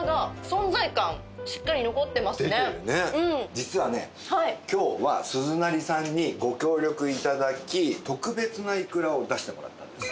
実はね今日は鈴なりさんにご協力頂き特別ないくらを出してもらったんです。